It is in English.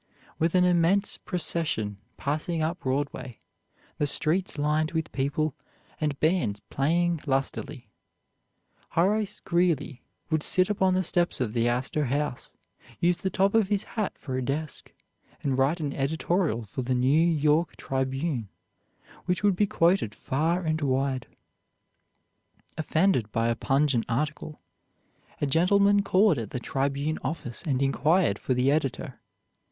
With an immense procession passing up Broadway, the streets lined with people, and bands playing lustily, Horace Greeley would sit upon the steps of the Astor House, use the top of his hat for a desk, and write an editorial for the "New York Tribune" which would be quoted far and wide. Offended by a pungent article, a gentleman called at the "Tribune" office and inquired for the editor.